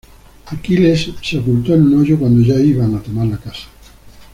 Aquiles se ocultó en un hoyo cuando ya iban a tomar la casa.